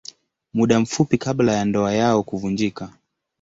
Muda mfupi kabla ya ndoa yao kuvunjika.